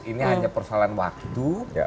ini hanya persoalan waktu